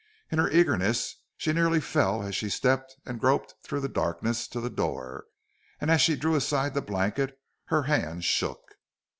In her eagerness she nearly fell as she stepped and gropped through the darkness to the door, and as she drew aside the blanket her hand shook.